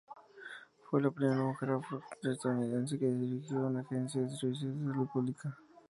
Fue la primera mujer afroestadounidense que dirigió una agencia de servicios de salud pública.